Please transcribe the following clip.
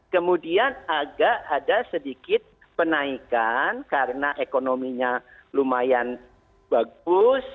kemudian agak ada sedikit penaikan karena ekonominya lumayan bagus